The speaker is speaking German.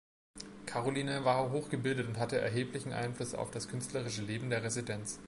Karoline war hochgebildet und hatte erheblichen Einfluss auf das künstlerische Leben der Residenz.